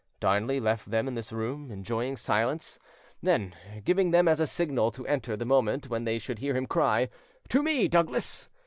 Darnley left them in this room, enjoining silence; then, giving them as a signal to enter the moment when they should hear him cry, "To me, Douglas!"